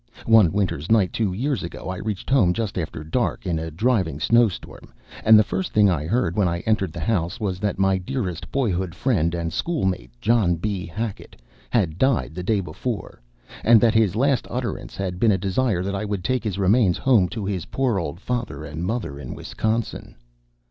One winter's night, two years ago, I reached home just after dark, in a driving snow storm, and the first thing I heard when I entered the house was that my dearest boyhood friend and schoolmate, John B. Hackett, had died the day before, and that his last utterance had been a desire that I would take his remains home to his poor old father and mother in Wisconsin.